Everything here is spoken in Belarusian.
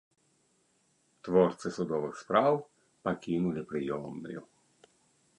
Творцы судовых спраў пакінулі прыёмную.